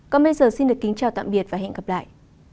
còn bây giờ xin được kính chào tạm biệt và hẹn gặp lại